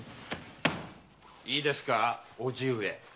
いいですかぁ叔父上。